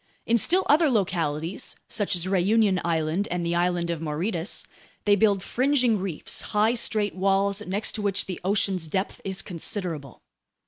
In still other localities, such as Réunion Island and the island of Mauritius, they build fringing reefs, high, straight walls next to which the ocean's depth is considerable.